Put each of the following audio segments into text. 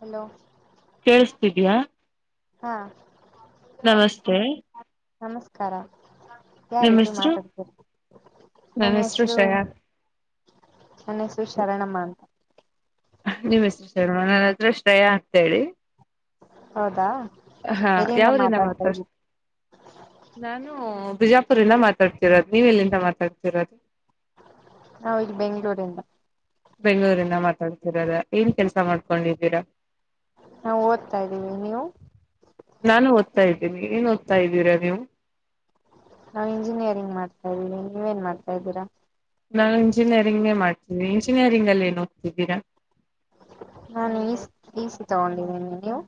Hello ಿದ್ಯಾ ಹಾ ನಮಸ್ತೆ ನಮಸ್ಕಾರ ನಿಮ್ ಯಾರೀತಿ ಹೆಸರು ಮಾತಾಡ್ತಾರೆ ನನ್ನ ಹೆಸರು ನನ್ನ ಹೆಸರು ಶರಣಮ್ಮ ಅಂತ ನಿಮ್ಮ ಹೆಸ ಶರ್ಮ ನನ್ನ ಹತ್ರ ಶ್ರೇಯ ಆಗ್ತೇಿ ಹೌದಾ ಹಾ ಎಲ್ಲಿಂದ ಯಾವ್ರಿನ ಮಾತಾಡ್ತಾ ಮಾತಾಡ್ ಇದ್ದೀವಿ ನಾನ ಬಿಜಾಪುರಿಂದ ಮಾತಾಡ್ತಿರೋದು ನೀವು ಎಲ್ಲಿಂದ ಮಾತಾಡ್ತಿರೋದು ನಾ ಇದು ಬೆಂಗ್ಗಳೂರಿಂದ ಬೆಂಗಳೂರಿಂದ ಮಾತಾಡ್ತಿರದ ಏನ್ ಕೆಲ್ಸ ಮಾಡ್ಕೊಂಡಿದೀರಾ ನಾವು ಓದ್ತಾ ಇದ್ದೀವಿ ನೀವು ಓದತಾ ಇದ್ದೀನಿ ಏನ್ ಓದ್ತಾ ಇದ್ದೀರಾ ನೀವು ನಾವ್ ಇಂಜಿನಿಯರಿಂಗ್ ಮಾಡ್ತಾ ಇದ್ದೀವಿ ನೀವೇನ್ ಮಾಡ್ತಾ ಇದ್ದೀರಾ ನಾು ಇಂಜಿನಿಯರಿಂಗ್ೇ ಮಾಡ್ತೀಿ ಇಂಜಿನಿಯರಿಂಗ್ ಅಲ್ಲಿ ಏ ನ ಹೋಗ್ತಿದ್ದೀರಾ ನಾಾನು ಈಸ ಈಸ ತಗೊಂಡಿದ್ದೀನಿ ನೀವು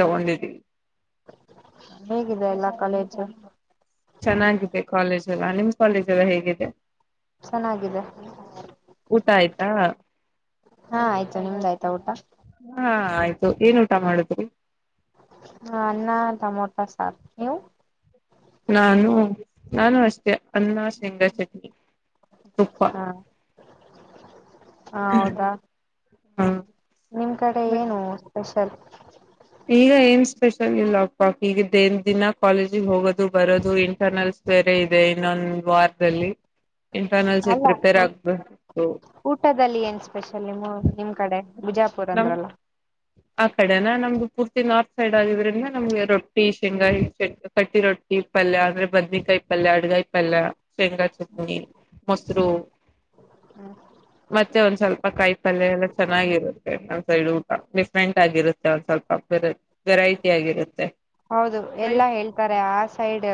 ತಗೊಂಡಿದಿ ಹೇಗಿದೆ ಎಲ್ಲ ಕಾಲೇಜು ಚೆನ್ನಾಗಿದೆ ಕಾಲೇಜ್ ಎಲ್ಲ ನಿಮ್ ಕಾಲೇಜ್ ಎಲ್ಲ ಹೇಗಿದೆ ಚೆನ್ನಾಗಿದೆ ಹಾ ಹಾ ಆಯ್ತಾ ನಿಮ್ದ ಆಯ್ತಾ ಊಟ ಹಾ ಆಯ್ತು ಏನ್ ಊಟ ಮಾಡುದ್ಿ ಹ ಅನ್ನ ಟಮೊಟೋ ಸಾರಾ ನೀವು ನಾನು ನಾನು ಅಷ್ಟೇ ಅನ್ನ ಶೇಂಗ ಚಟ್ನಿ ಪ್ಪ ಹಾ ಹಾ, ಹೌದಾ ಹಾ ನಿಮ್ ಕಡೆ ಏನು ಸ್ಪೆಷಲ್ ಈಗ ಏನ್ ಸ್ಪೆಷಲ್ ಇಲ್ಲ ಪಾಕ್ ಈಗ ದೇನ್ ದಿನ ಕಾಲೇಜ ಹೋಗೋದು ಬರೋದು ಇಂಟರ್ನಲ್ಸ್ ಬೇರೆ ಇದೆ ಇನ್ನೊಂದ ವಾರ್ದಲ್ಲಿ ಅಲ್ಲ ಊಟದಲ್ಲಿ ಏನ್ ಸ್ಪೆಷಲಿ ನಿ ನಿಮ್ ಕಡೆ ಬಿಜಾಪುರ್ ನಮ್ ಅಂದ್ರಲ್ಲ ಆ ಕಡೆನ ನಮ್ದು ಪೂರ್ತಿ ನಾರ್ತ್ ಸೈಡ್ ಆಗಿದ್ರಿಂದ ನಮ್ಗೆ ರೊಟ್ಟಿ ಶೇಂಗಾಯಿ ಕಟ್ಟಿ ರೊಟ್ಟಿ ಪಲ್ಯ ಅಂದ್ರೆ ಬದ್ನೇಕಾಯಿ ಪಲ್ಯ ಅಡ್ಗಾಯಿ ಪಲ್ಯ ಶೇಂಗಾ ಚಟ್ನಿ ಮೊಸರು ಹ್ಮ್ ಹ್ಮ್ ಮತ್ತೆ ಒಂದ್ ಸ್ವಲ್ಪ ಕಾಯಿ ತಲೆ ಎಲ್ಲ ಚೆನ್ನಾಗಿರುತ್ತೆ ಒಂದ್ಸೈಡ್ ಊಟ ಡಿಫ್ರೆಂಟ್ ಆಗಿರುತ್ತೆ ಒಂದ್ ಸ್ವಲ್ಪ ಬ ವೆರೈಟಿ ಆಗಿರುತ್ತೆ ಹೌದು ಎಲ್ಲಾ ಹೇಳ್ತಾರೆ ಆ ಸೈಡ್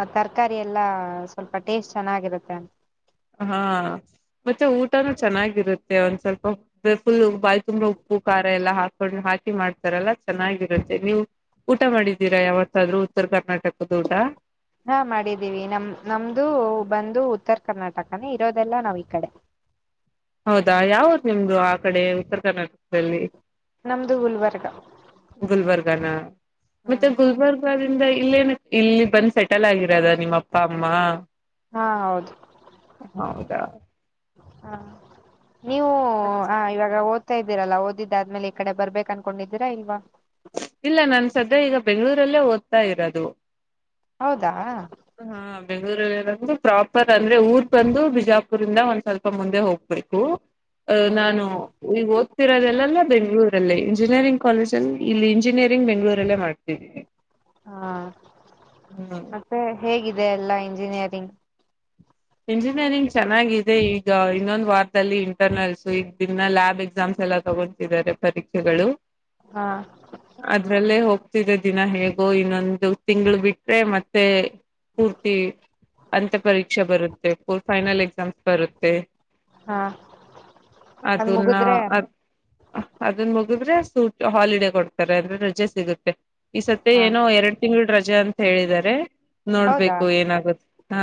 ಆ ತರಕಾರಿ ಎಲ್ಲಾ ಸ್ವಲ್ಪ ಟೇಸ್ಟ್ ಚೆನ್ನಾಗಿರುತ್ತೆ ಹಾ ಮತ್ತೆ ಊಟನೂ ಚೆನ್ನಾಗಿರುತ್ತೆ ಒಂದ್ ಸ್ವಲ್ಪ ಫುಲ್ ಬಾಯ ತುಂಬ್ರ ಉಪ್ಪು ಖಾರ ಎಲ್ಲ ಹಾಕೊಂಡು ಹಾಕಿ ಮಾಡ್ತಾರಲ್ಲ ಚೆನ್ನಾಗಿರುತ್ತೆ ನೀವು ಊಟ ಮಾಡಿದ್ದೀರಾ ಯಾವತ್ತಾದ್ರು ಉತ್ತರ ಕರ್ನಾಟಕದ ಊಟ ಹಾಂ ಮಾಡಿದ್ದೀವಿ ನಮ್ಮ ನಮ್ದ ಬಂದು ಉತ್ತರ ಕರ್ನಾಟಕನೇ ಇರೋದೆಲ್ಲ ನಾವು ಈ ಕಡೆ ಹೌದಾ ಯಾವ್ದ ನಿಮ್ದು ಆ ಕಡೆ ಉತ್ತರ ಕರ್ನಾಟಕದಲ್ಲಿ ನ ನದುು ಉಲ್ವರ್ಗ ಗನ್ ಮತ್ತೆ ಗುಲ್ಬರ್ಗಾದಿಂದ ಇಲ್ಲೇನ ಇಲ್ಲಿ ಬಂದ್ ಸೆಟಲ್ ಆಗಿರೋದ ನಿಮ್ಮ ಅಪ್ಪ ಅಮ್ಮ ಹಾ ಹೌದು ಹೌದಾ ಹಾ ನೀವು ಆ ಇವಾಗ ಓದ ಆೋಗತಾ ಇದೀರಲ್ಲ ಓದಿದ್ದಾದ್ಮೇಲೆ ಈ ಕಡೆ ಬರ್ಬೇಕು ಅನ್ಕೊಂಡಿದ್ದೀರಾ ಇಲ್ವಾ ಇಲ್ಲ ನಾ ಸದ್ಯ ಈಗ ಬೆಂಗ್ಗಳೂರಲ್ಲೇ ಓದ್ತಾ ಇರೋದು ಹೌದಾ ಹಾ ಬೆಂಗ್ಗಳೂರಿಂದು ಪ್ರಾಪರ್ ಅಂದ್ರೆ ಊರ್ ಬಂದು ಬಿಜಾಪುರ್ಂದ ಒಂದ್ ಸ್ವಲ್ಪ ಮುಂದೆ ಹೋಗ್ಬೇಕು ಅಹ ಹ್ಮ ನಾನು ಈಗ ರೋದೆಲ್ಲ ಬೆಂಗಗಳೂರಲ್ಲೇ ಇಂಜಿನಿಯರಿಂಗ್ ಕಾಲೇಜಲ್ಲಿ ಇಲ್ಲಿ ಇಂಜಿನಿಯರಿಂಗ್ ಬೆಂ್ಗಳೂರಲ್ಲೇ ಮಾಡ್ತಿದೀನಿ ಹಾ ಮತ್ತೆ ಹೇಗಿದೆ ಎಲ್ಲ ಇಂಜಿನಿಯರಿಂಗ್ ಇಂಜಿನಿಯರಿಂಗ್ ಚೆನ್ನಾಗಿದೆ ಈಗ ಇನ್ನೊಂದು ವಾರದಲ್ಲಿ ಇಂಟರ್ನಲ್ಸ್ ಈಗ ದನ್ನ ಲ್ಯಾಬ್ ಎಕ್ಸಾಮ್ಸ್ ಎಲ್ಲ ತಗೊತಿದ್ದಾರೆ ಪರೀಕ್ಷೆಗಳು ಹಾ ಅದ್ರಲ್ಲೇ ಹೋಗ್ ದಿನ ಹೇಗೋ ಇನ್ನೊಂದು ತಿಂಗಳು ಬಿಟ್ರೆ ಮತ್ತೆ ಪೂರ್ತಿ ಅಂತ ಪರೀಕ್ಷೆ ಬರುತ್ತೆ ಫುಲ್ ಫೈನಲ್ ಎಕ್ಸಾಮ್ಸ್ ಬರುತ್ತೆ ಹಾ ಅದ್ ಅದನ್ ಅ ಮುಗಿದ್ರೆ ಅದನ್ ಮುಗಿದ್ರೆ ಸೂಟ್ ಹಾಲಿಡ ಕೊಡ್ತಾರೆ ಅಂದ್ರೆ ರಜೆ ಸಿಗುತ್ತೆ ಈ ಸತ್ತ ಹಾ ಏನೋ ಎರಡ್ ತಿಂಗಳು ರಜೆ ಅಜಾ ಅಂತ ಹೇಳಿದ್ದಾರೆ ಹೌದಾ ನೋಡ್ಬೇಕು ಏನಾಗುತ್ತ ಹಾ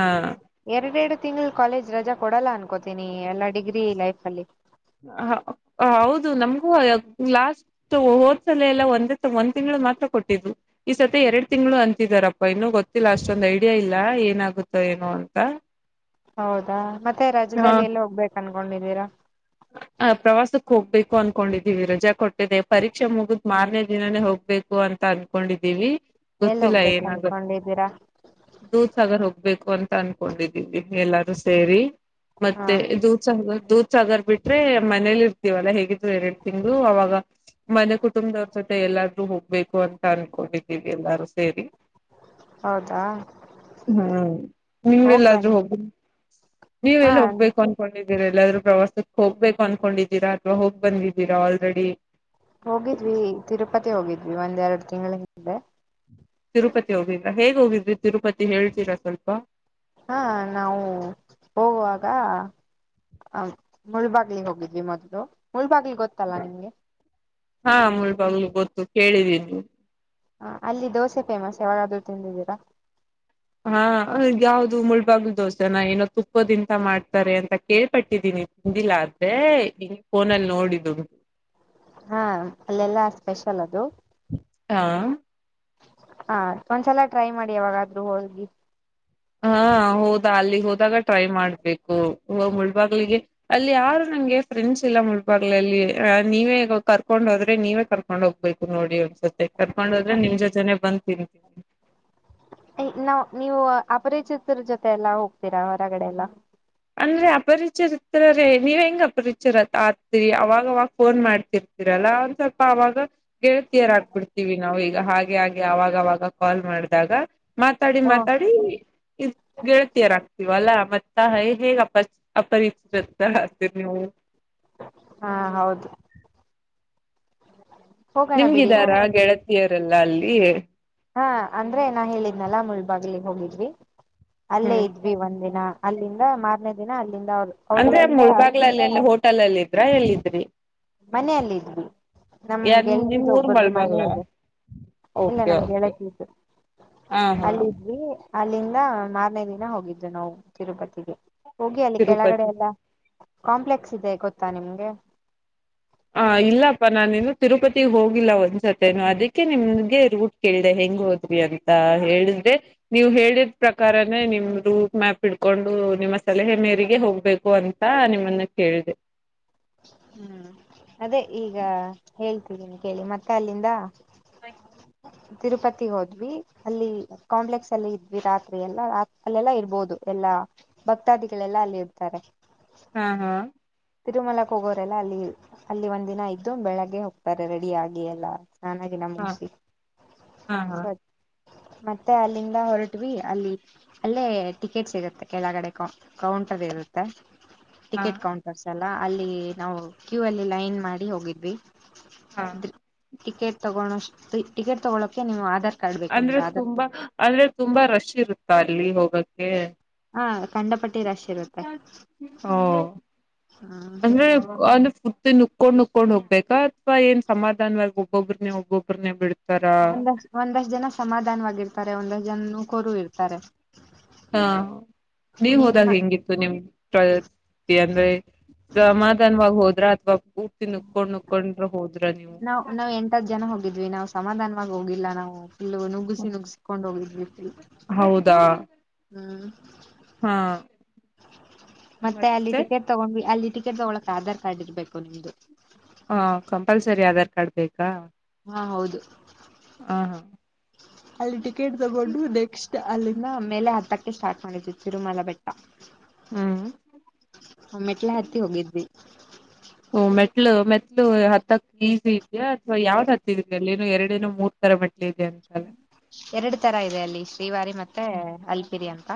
ತಿಂಳ ಕಾಲೇಜ್ ರಜಾ ಕೊಡಲ್ಲ ಅನ್ಕೋತೀನಿ ಎಲ್ಲಾ ಡಿಗ್ರಿ ಲೈಫ್ ಅಲ್ಲಿ ದು ನಮ್ಗೂ ಲಾಸ್ಟ್ ಹೋದಸಲ ಎಲ್ಲ ಒಂದ ಒಂದ ತಿಂಗಳು ಮಾತ್ರ ಕೊಟ್ಟಿದ್ು ಈ ಸತಿ ಎರಡ್ ತಿಂಗಳು ಅಂತಿದಾರಪ್ಪ ಇನ್ನುೂ ಗೊತ್ತಿಲ್ಲ ಅಷ್ಟೊಂದು ಐಡಿಯಾ ಇಲ್ಲ ಏನಾಗುತ್ತೋ ಏನೋ ಅಂತ ಹೌದಾ ಮತ್ತೆ ಹಾ ರಾಜ್ಯದಲ್ಲಿ ಎಲ್ಲಿ ಹೋಗ್ಬೇಕನ್ ತಗೊಂಡಿದ್ದೀರಾ ಪ್ರವಾಸಕ್ಕೆ ಹೋಗ್ಬೇಕು ಅನ್ಕೊಂಡಿದ್ದೀವಿ ರಜಾ ಕೊಟ್ಟಿದೆ ಪರೀಕ್ಷೆ ಮುಗಿದ್ ಮಾರನೇ ದಿನಾನೇ ಹೋಗ್ಬೇಕು ಅಂತ ಅನ್ಕೊಂಡಿದ್ದೀವಿ ಎಲ್ಲಿ ಗೊತ್ತಿಲ್ಲ ಹೋಗ್ಬೇಕು ಏನಾಗುತ್ತ ಅನ್ಕೊಂಡಿದ್ದೀರಾ ದೂತ್ ಸಾಗರ್ ಹೋಗ್ಬೇಕು ಅಂತ ಅನ್ಕೊಂಡಿದೀವಿ ಎಲ್ಲಾರೂ ಸೇರಿ ಹಾ ಮತ್ತೆ ದೂತ್ ಸಹ ದೂ ಸಗರ್ ಬಿಟ್ಟ ಆದ್ರೆ ಮನೇಲಿ ಇರ್ತೀವಲ್ಲ ಹೇಗಿದ್ರು ಎರಡು ತಿಂಗ್ಗಳು ಅವಾಗ ಮನೆ ಕುಟುಂಬದವ್ರ ಜೊತೆ ಎಲ್ಲಾದ್ರೂ ಹೋಗ್ಬೇಕು ಅಂತ ಅನ್ಕೊಂಡಿದ್ದೀವಿ ಎಲ್ಲಾರು ಸೇರಿ ಹೌದಾ ಹ್ಮ್ ಹೋಗ್ ನೀವೆಲ್ಲಾದ್ರೂ ಬನ್ನಿ ಹೋಗ ನೀವೆ ಹಾ ಎಲ್ಲ ಹೋಗ್ಬೇಕು ಅನ್ಕೊಂಡಿದ ಎಲ್ ಎಲ್ಲಾದ್ರೂ ಪ್ರವಾಸಕ್ ಹೋಗ್ಬೇಕು ಅನ್ಕೊಂಡಿದ್ದೀರಾ ಅಥವಾ ಹೋಗ್ ಬಂದಿದ್ದೀರಾ ಆಲ್ರೆಡಿ ಹೋಗಿದ್ವಿ ತಿರುಪತಿ ಹೋಗಿದ್ವಿ ಒಂದ್ ಎರಡ್ ತಿಂಗಳ ಹಿಂದೆ ತಿರುಪತಿ ಹೋಗಿದ್ರಾ ಹೇಗ್ ಹೋಗಿದ್ರಿ ತಿರುಪತಿ ಹೇಳ್ತೀರಾ ಸ್ವಲ್ಪ ಹಾ ನಾವು ಹೋಗುವಾಗ ಅ ಮುಳಬಾಗ್ಲಿಗ ಹೋಗಿದ್ವಿ ಮೊದಲು ಮುಳಬಾಗ್ಲಿ ಗೊತ್ತಲ್ಲ ನಿಮ್ಗೆ ಹಾ ಮುಳಬಾಗ್ಲು ಗೊತ್ತು ಕೇಳಿದೀನಿ ನೀವು ಹ ಅಲ್ಲಿ ದೋಸೆ ಫೇಮಸ್ ಯಾವಾಗಾದ್ರು ತಿಂದಿದ್ದೀರಾ ಹಾ ಯಾವ್ದು ಮುಳ್ಬಾಗಲು ದೋಸೆನ ಏನೋ ತುಪ್ಪದಿಂದ ಮಾಡ್ತಾರೆ ಅಂತಾ ಕೇಳ್ಪಟ್ಟಿದ್ದೀನಿ ತಿಂದಿಲ್ಲ ಆದ್ರೆ ಕೇಳ್ ಫೋನಲ್ಲಿ ನೋಡಿದ್ದೂ ಹಾ ಅಲ್ಲೆಲ್ಲ ಸ್ಪೆಷಲ್ ಅದು ಹಾ ಹಾ ಒಂದ್ಸಲ ಟ್ರೈ ಮಾಡಿ ಯಾವಾಗಾದ್ರೂ ಹೋಗಿ ಹಾ ಹೋದಾ ಅಲ್ಲಿಗ್ ಹೋದಾಗ ಟ್ರೈ ಮಾಡ್ಬೇಕು ಹೊ ಮುಳ್ಬಾಗ್ಲಿಗೆ ಅಲ್ಲಿ ಯಾರು ನಂಗೆ ಫ್ರೆಂಡ್ಸ್ ಇಲ್ಲ ಮುಳ್ಬಾಗ್ಲಲ್ಲಿ ಅ ನೀವೇ ಕರ್ಕೊಂಡ್ ಹೋದ್ರೆ ನೀವೇ ಕರ್ಕೊಂಡ್ ಹೋಗ್ಬೇಕು ನೋಡಿ ಒಂದಸತೆ ಕರ್ಕೊಂಡ್ ಹೋದ್ರೆ ನಿಮ್ ಜೊತೇನೆ ಬಂದ ತಿನ್ನಿ ಏ ನಾವ್ ನೀವು ಅಪರಿಚಿತರ ಜೊತೆ ಎಲ್ಲಾ ಹೋಗ್ತೀರಾ ಹೊರಗಡೆ ಎಲ್ಲಾ ಅಂದ್ರೆ ಅಪರಿಚಿತರೇ ನೀವ್ ಹೆಂಗ್ ಅಪರಿಚರ ಆತಿರಿ ಅವಾಗ ಅವಾಗ ಫೋನ್ ಮಾಡ್ತಿರ್ತೀರಲಾ ಒಂದ್ ಸ್ವಲ್ಪ ಅವಾಗ ಗೆಳತಿಯರ್ ಆಗ್ಬಿಡ್ತೀವಿ ನಾವು ಈಗ ಹಾಗೆ ಹಾಗೆ ಅವಾಗ ಅವಾಗ ಕಾಲ್ ಮಾಡದಾಗ ಮಾತಾಡಿ ಮಾತಾಡಿ ಇರ್ ಗೆಳತಿಯರ್ ಆಗ್ತೀವಿ ಅಲ್ಲಾ ಮತ್ತ ಹ ಹೈ ಹೇಗ್ ಅಪರ್ ಅಪರಿ ಶ್ರದ್ಧಾ ಹಾಕ್ತೀರಿ ನೀವು ಹಾ ಹೌದು ಹೋಗೋಣ ಬಿಡಿ ನನ್ ನಿಮ್ಗಿದಾರಾ ಗೆಳತಿಯರೆಲ್ಲಾ ಇ ಹಾ ಅಂದ್ರೆ ನಾ ಹೇಳಿದ್ನಲ್ಲಾ ಮುಳಬಾಗ್ಲಿಗ್ ಹೋಗಿದ್ವಿ ಅಲ್ಲೇ ಹ್ಮ್ ಇದ್ವಿ ಒಂದಿನ ಅಲ್ಲಿಂದ ಮಾರ್ನೇ ದಿನ ಅಲ್ಲಿಂದ ಅವ್ರ ಅಂದ್ರೆ ಅವ್ರೂರಿಂದ ಮುಳಬಾಗಲಲ್ಲಿ ಎಲ್ಲಿ ಹೊಟ್ ಹೋಟಲಲ್ಲಿ ಇದ್ರಾ ಎಲ್ಲಿದ್ರಿ ಮನೇಲೆ ಇದ್ವಿ ನಮ್ ಯ ನಿಮ್ ಗೆಳತಿದ್ ಊರ್ ಒಬ್ಬರ್ದ ಮನೆ ಮುಳಬಾಗ್ಲ ಇದೆ ಇಲ್ಲೆ ಓಕೆ ನಮ್ ಓಕೆ ಗೆಳತಿದು ಹಾ ಹಾ ಅಲ್ಲಿದ್ವಿ ಅಲ್ಲಿಂದ ಮಾರನೇ ದಿನ ಹೋಗಿದ್ವಿ ನಾವು ತಿರುಪತಿಗೆ ಹೋಗಿ ಅಲ್ಲಿ ಕೆಳಗಡೆ ತಿರುಪತಿ ಎಲ್ಲ ಕಾಂಪ್ಲೆಕ್ಸ್ ಇದೆ ಗೊತ್ತಾ ನಿಮ್ಗೆ ಆ ಇಲ್ಲಪ್ಪಾ ನಾನಿನ್ನು ತಿರುಪತಿ ಹೋಗಿಲ್ಲ ಒಂದಾಸತೇನು ಅದೀಕ್ಕೆ ನಿಮ್ಗೆ ರೂಟ್ ಕೇಳ್ದೆ ಹೆಂಗ್ ಹೋದ್ರಿ ಅಂತಾ ಹೇಳಿದ್ರೆ ನೀವ್ ಹೇಳಿದ ಪ್ರಕಾರನೆ ನಿಮ್ ರೂಟ್ ಮ್ಯಾಪ್ ಇಡ್ಕೊಂಡು ನಿಮ್ಮ ಸಲಹೆ ಮೇರೆಗೆ ಹೋಗ್ಬೇಕು ಅಂತ ನಿಮ್ಮನ್ನ ಕೇಳ್ದೆ ಹ್ಮ್ ಅದೇ ಈಗಾ ಹೇಳ್ ಹ್ಮ್ ಕೇಳಿ ಮತ್ತೆ ಅಲ್ಲಿಂದಾ ಐ ತಿರುಪತಿಗ್ ಹೋದ್ವಿ ಅಲ್ಲಿ ಕಾಂಪ್ಲೆಕ್ಸ್ ಅಲ್ಲಿ ಇದ್ವಿ ರಾತ್ರಿ ಎಲ್ಲಾ ಅಲ್ಲೆಲ್ಲಾ ಇರ್ಬೋದು ಎಲ್ಲಾ ಭಕ್ತಾದಿಗಳೆಲ್ಲಾ ಅಲ್ಲಿ ಇರ್ತಾರೆ. ಹಾ ಹಾ ತಿರುಮಲಕ್ಕೆ ಹೋಗೋರೆಲ್ಲ ಅಲ್ಲಿ ಅಲ್ಲಿ ಒಂದ್ ದಿನ ಇದ್ದು ಬೆಳಗ್ಗೆ ಹೋಗ್ತಾರೆ ರೆಡಿ ಆಗಿ ಎಲ್ಲ. ಸ್ನಾನಗಿನ ಹಾ ಮುಗ್ಸಿ ಹಾ ಹಾ ಸ್ವ ಮತ್ತೆ ಅಲ್ಲಿಂದ ಹೊರಟ್ವಿ ಅಲ್ಲಿ ಅಲ್ಲೇ ಟಿಕೆಟ್ ಸಿಗತ್ತೆ ಕೆಳಗಡೆ ಕೌ ಕೌಂಟರ್ ಇರುತ್ತೆ. ಹಾ ಟಿಕೆಟ್ ಕೌನ್ ಸಲ ಅಲ್ಲಿ ನಾವು ಕ್ಯೂ ಅಲ್ಲಿ ಲೈನ್ ಮಾಡಿ ಹೋಗಿದ್ವಿ. ಹಾ ಟಿಕೆ ತಗೋಣೋಷ್ತಿ ಅಂದ್ರೆ ಆಧಾರ್ ತುಂಬಾ ಕಾರ್ಡ್ ಅಂದ್ರೆ ತುಂಬಾ ರಶ್ ಇರುತ್ತಾ ಅಲ್ಲಿ ಹೋಗಕ್ಕೆ? ಹಾ ಕಂಡಪಟ್ಟಿ ರಶ್ ಇರುತ್ತೆ ಹೊ ಹ್ಮ್ ಅಂದ್ರೆ ಅವ್ನು ಫ್ ನುಕೊಂಡು ನುಕೊಂಡ್ ಹೋಗ್ಬೇಕಾ ಅಥವಾ ಏನ್ ಸಮಾಧಾನವಾಗಿ ಒಬೊಬ್ರನ್ನೇ ಒಬ್ಬೊಬ್ಬ್ರನೆ ಬಿಡ್ ಒಂದಷ್ ಒಂದಷ್ಟು ಜನ ಸಮಧಾನವಾಗಿರ್ತಾರೆ ಒಂದ ಜನ್ನು ಹಾ ನೀವ್ ನಿಮ್ಮ ಹೋದಾಗ ಹೆಂಗಿತ್ತು ನಿಮ್ ಅಂದ್ರೆ ಸಮಾಧಾನ್ವಾಗ್ ಹೋದ್ರ ಬ್ ನಾವ್ ನಾವ್ ಎಂಟ್ ಹತ್ತ್ ಜನ ಹೋಗಿದ್ವಿ ನಾವ್ ಸಮಾಧಾನ ವಾಗ್ ಹೋಗಿಲ್ಲ ನಾವು ಇಲ್ಲ ನುಗ್ಗಸಿ ನುಗ್ಸಿಕೊಂಡ್ ಹೋಗಿದ್ವಿ ತಿಲ್ ಹೌದಾ ಹ್ಮ್ ಹಾ ಮತ್ತೆ ಅಲ್ಲಿ ಟಿಕೆಟ್ ತಗೊಂಡ್ ಅಲ್ಲಿ ಟಿಕೆಟ್ ತಗೊಳಕ್ ಆಧಾರ್ ಕಾರ್ಡ್ ಇರ್ಬೇಕು ನಿಮ್ದು. ಹಾ ಕಂಪಲ್ಸರಿ ಆಧಾರ್ ಕಾರ್ಡ್ ಬೇಕಾ? ಹಾ ಹೌದು ಹ ಹಾ ಅಲ್ಲಿ ಟಿಕೆಟ್ ತಗೊಂಡು ನೆಕ್ಸ್ ಟ್ ಅಲ್ಲಿಂದ ಮೇಲೆ ಹತ್ತಕ್ಕೆ ಸ್ಟಾರ್ಟ್ ಮಾಡಿದ್ವಿ ತಿರುಮಲ ಬೆಟ್ಟ. ಹ್ಮ್ ಓ ಮ್ಮೆಟ್ಲೆ ಹತ್ತಿ ಹೋಗಿದ್ವಿ. ಹ ಮೆಟ್ಲು ಮೆಟ್ಲು ಹತ್ತಕ್ ಈಸಿ ಇದ್ಯಾ ಅಥವಾ ಯಾವ್ದ್ ಹತ್ತಿದ ಎಲ್ಲೆನೊ ಎರಡೇನೋ ಮೂರ್ ತರ ಮೆಟ್ ಎರಡು ತರ ಇದೆ ಅಲ್ಲಿ ಶ್ರೀವಾರಿ ಮತ್ತೆ ಅಲ್ಪಿರಿ ಅಂತ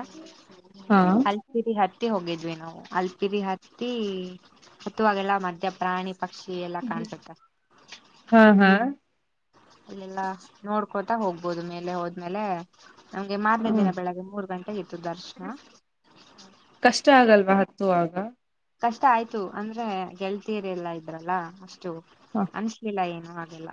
ಹಾ ಹಲ್ಪಿರಿ ಹತ್ ಹತ್ತಿ ಹೋಗಿದ್ವಿ ನಾವು ಅಲ್ಪಿರಿ ಹತ್ತಿ ಹತ್ತುವಾಗೆಲ್ಲ ಮದ್ಯ ಪ್ರಾಣಿ ಪಕ್ಷಿ ಎಲ್ಲ ಕಾಣ್ಸುತ್ತೆ ಹಾ ಹಾ ಇಲ್ಲಲ್ಲಾ ನೋಡ್ಕೊತಾ ಹೋಗ್ಬೋದು ಮೇಲೆ ಹೋದ್ಮೇಲೆ ನಮ್ಗೆ ಮಾರ್ನೇ ಹ್ಮ್ ದಿನ ಬೆಳಗ್ಗೆ ಮೂರು ಗಂಟೆಗ್ ಇತ್ತು ದರ್ಶನ. ಕಷ್ಟ [inaudible] ಹತ್ತುವಾಗ ಕಷ್ಟ ಆಯ್ತು ಅಂದ್ರೆ ಗೆಳ್ತೀರಿ ಎಲ್ಲಾ ಇದ್ರಲ್ಲ ಅಷ್ಟು ಅನಸಲಿಲ್ಲ ಏನ್ ಏನು ಆಗಿಲ್ಲ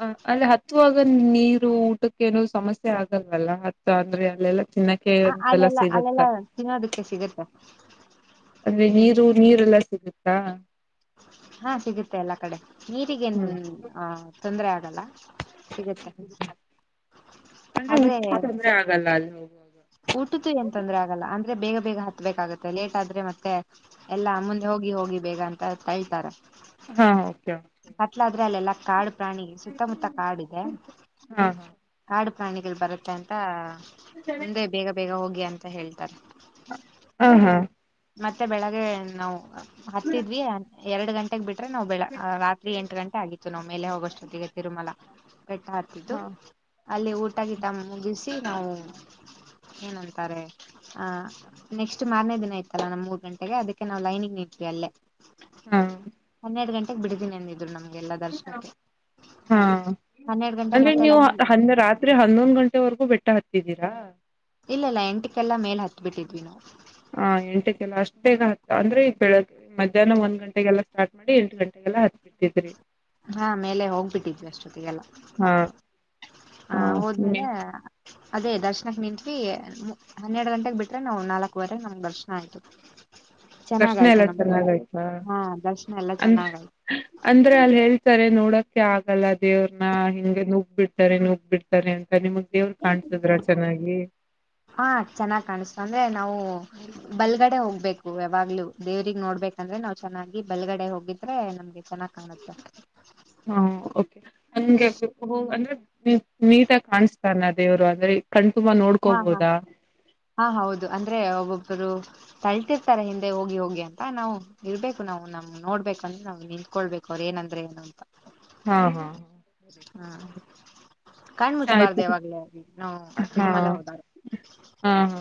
ಹ ಅಲ್ಲಿ ಹತ್ತುವಾಗ ನೀರು ಊಟಕ್ಕೆ ಏನೋ ಸಮಸ್ಯೆ ಆಗಲ್ವಲ್ಲ ಹತ್ತು ಅಂದ್ರೆ ಅಲ್ಲೆಲ್ಲ ತಿನ್ನಕ್ಕೆ ಅದ ಎಲ್ಲಾ ಅಲ್ಲೆಲ್ಲ ಸಿಗುತ್ತ ಅಲ್ಲೆಲ್ಲ ತಿನ್ನೋದಕ್ಕೆ ಸಿಗುತ್ತೆ ಆದ್ರೆ ನೀರು ನೀರೆಲ್ಲ ಸಿಗತ್ತಾ? ಹಾ ಸಿಗುತ್ತೆ ಎಲ್ಲಾ ಕಡೆ ಹ್ಮ್ ನೀರಿಗೇನ ಆ ತೊಂದರೆ ಆಗಲ್ಲ ಸಿಗತ್ತೆ. ಅಂದ್ರೆ ಊಟಕ್ಕೂ ತೊಂದ್ರೆ ಆಗಲ್ಲ ಅಲ್ಲ ಹೋಗುವಾಗ ಊಟದ್ದು ಏನ್ ತೊಂದ್ರೆ ಆಗಲ್ಲ ಅಂದ್ರೆ ಬೇಗ ಬೇಗ ಹತ್ಬೇಕಾಗುತ್ತೆ ಲೇಟ್ ಆದ್ರೆ ಮತ್ತೆ ಎಲ್ಲಾ ಮುಂದೆ ಹೋಗಿ ಹೋಗಿ ಬೇಗ ಅಂತ ತಳ್ತಾರೆ ಹಾ ಓಕೆ ಕಟ್ಟಲಾದ್ರೇ ಅಲ್ಲ ಎಲ್ಲಾ ಕಾಡ ಪ್ರಾಣಿಗೆ ಸುತ್ತಮುತ್ತ ಕಾಡ ಇದೆ ಹಾ ಹಾ ಕಾಡು ಪ್ರಾಣಿಗಳ ಬರುತ್ತೆ ಅಂತ ಮುಂದೆ ಬೇಗ ಬೇಗ ಹೋಗಿ ಅಂತ ಹೇಳ್ತಾರೆ ಹಾ ಹಾ ಮತ್ತೆ ಬೆಳಗ್ಗೆ ನಾವು ಹತ್ತಿದ್ವಿ ಎರಡು ಗಂಟೆಗೆ ಬಿಟ್ಟ ಬಿಟ್ರೆ ನಾವ ಬೆಳ ರಾತ್ರಿ ಎಂಟ ಗಂಟೆ ಆಗಿತ್ತು ನಾವು ಮೇಲೆ ಹೋಗುವಷ್ಟೊತ್ತಗೆ ತಿರುಮಲಾ ಬೆಟ್ಟ ಹತ್ತಿದ್ದು ಹಾ ಅಲ್ಲಿ ಊಟ-ಗಿಟ ನಾವು ಏನಂತಾರೆ ನೆಕ್ಸ್ಟ್ ಹ ಮಾರನೇ ದಿನ ಇತಲ್ಲ ನಮ್ಮ್ ಮೂರ್ ಗಂಟೆಗೆ ಅದಕ್ಕೆ ನಾವು ಲೈನಿಂಗ್ ನಿತ್ವಿ ಅಲ್ಲೇ ಹಾ ಹನ್ನೆರಡ ಗಂಟೆ ಬಿಡ್ತೀನಿ ಅಂದಿದ್ರು ನಮಗೆ ಎಲ್ಲ ದರ್ಶನಕ್ಕೆ ಹಾ ಹನ್ನೆರಡ ಗಂಟೆಗೆ ಅಂದ್ರೆ ಮತ್ತೆ ನೀವು ಲೈನಲ್ಲಿ ಹನ್ನ ರಾತ್ರಿ ಹನ್ನೊಂದ ಗಂಟೆವರೆಗೂ ಬೆಟ್ಟ ಹತ್ತಿದ್ದೀರಾ ಇಲ್ಲಇಲ್ಲ ಎಂಟಕೆಲ್ಲಾ ಮೇಲ ಹತ್ಬಿಟ್ಟಿದ್ವಿ ನಾವು...... ಹಾ ಎಂಟಕ್ಕೆಲ್ಲ ಅಷ್ಟ್ ಬೇಗ ಹ ಅಂದ್ರೆ ಬೆಳಗ್ ಮಧ್ಯಾಹ್ನ ಒಂದ ಗಂಟೆಗೆಲ್ಲಾ ಸ್ಟಾರ್ಟ್ ಮಾಡಿ ಎಂಟ ಗಂಟೆಗೆಲ್ಲಾ ಹತ್ಬಿಡ್ತಿದ್ರಿ...... ಹಾ ಮೇಲೆ ಹೋಗ್ಬಿಟ್ಟಿದ್ವಿ ಅಷ್ಟೊತ್ತಿಗೆಲ್ಲ!... ಹಾ ಆ ಹ ಹೋದ್ಮೇಲೆ... ಅದೇ ದರ್ಶನಕ್ಕೆ ನಿಂತ್ವಿ ಹನ್ನೆರಡ ಗಂಟೆಗೆ ಬಿಟ್ರೆ ನಾವು ನಾಲ್ಕವರೆಗೆ ನಮ್ಗ ದರ್ಶನ ಆಯ್ತು. ದರ್ಶನ ಚೆನ್ನಾಗಾಯ್ತು ಎಲ್ಲ ನಮ್ಗೆಲ್ಲ ಚೆನ್ನಾಗಯ್ತಾ. ಹಾ ದರ್ಶನ ಎಲ್ಲಾ ಅಂದ್ರೆ ಚೆನ್ನಾಗಾಯ್ತು ಅಂದ್ರೆ ಅಲ್ ಹೇಳ್........ ತಾರೆ ನೋಡಕ್ಕೆ ಆಗಲ್ಲ ದೇವ್ರನ್ನ ಹಿಂಗೆ ನುಗ್ ಬಿಡ್ತಾರೆ ನುಗ್ ಬಿಡ್ತಾರೆ ಅಂತ ನಿಮಗ ದೇವ್ರು ಕಾಣ್ಸುದ್ರ ಚೆನ್ನಾಗಿ..... ಹಾ ಚೆನ್ನಾಗ್ ಕಾಣಿಸ್ತು ಅಂದ್ರೆ ನಾವು ಬಲ್ಗಡೆ ಹೋಗ್ಬೇಕು ಯಾವಾಗ್ಲೂ ದೇವ್ರಿಗ್ ನೋಡ್ಬೇಕಂದ್ರೆ ನಾವ್ ಚೆನ್ನಾಗಿ ಬಲ್ಗಡೆ ಹೋಗಿದ್ರೆ ನಮ್ಗೆ ಚೆನ್ನಾ ಹು ಓಕೆ [unintelligible] ಹ್ಮ್ ಅಂದ್ರೆ ಹ್ ನೀಟಾಗ್ ಕಾಣುಸ್ತಾ ಇಲ್ಲ ದೇವ್ರು ಅಂದ್ರೆ ಕಣ್ತುಂಬ ಹಾ ಹಾ ನೋಡ್ಕೋಬೋದಾ? ಹಾ ಹೌದು ಅಂದ್ರೆ ಒಬೋಬ್ ಬ್ರು ತಳ್ತಿರ್ತಾರೆ ಹಿಂದೆ ಹೋಗಿ ಹೋಗಿ ಅಂತ ನಾವು ಇರ್ಬೇಕು ನಾವು ನಮ್ಗೆ ನೋಡ್ಬೇಕಂದ್ರೆ ನಾವು ನಿಂತ್ಕೊಳ್ಬೇಕು ಅವ್ರು ಏನಂದ್ರೆ ಏನು ಅಂತ. ಹಾ ಹಾ ಹಾ ಕಣ್ ಮುಚ್ಬಾರ್ದು [unintelligible] ಹ ಯಾವಾಗ್ಲೇ ನಾವು ಹಾ ತಿರುಮಲ ಹೋದಾಗ ಹಾ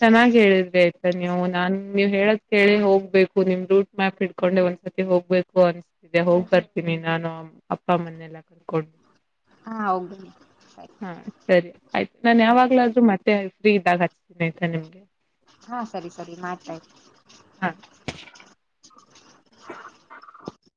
ಚೆನ್ನಾಗ್ ಹೇಳಿದ್ರಿ ಆಯ್ತಾ ನೀವು ನಾನ್ ನೀವ್ ಹೇಳದ್ ಕೇಳಿ ಹೋಗ್ಬೇಕು ನಿಮ್ ರೂಟ್ ಮ್ಯಾಪ್ ಇಡ್ಕೊಂಡೆ ಒಂದ್ಸರ್ತಿ ಹೋಗ್ಬೇಕು ಅನ್ಸ್ತಿದೆ ಹೋಗ್ ಬರ್ತೀನಿ ನಾನು ಅಪ್ಪಮ್ಮನೆಲ್ಲ ಕೊಂಡ್ ಹಾ ಹೋಗೋಣ ಸರಿ ಹಾ ಸರಿ ಆಯ್ತು ನಾನ್ ಯಾವಾಗ್ಲಾದ್ರೂ ಮಾಡ್ ತ್ತೆ ಫ್ರೀ ಇದ್ದಾಗ್ ಹಚ್ ಹಾ ಸರಿ ಸರಿ ಮಾಡ್ತಾ ಇದಿನಿ. [inaudible] [inaudible]